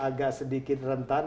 agak sedikit rentan